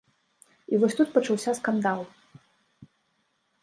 І вось тут пачаўся скандал.